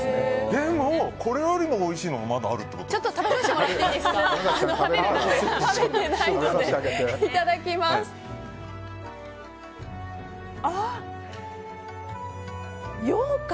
でも、これよりもおいしいのがまだあるってことですか。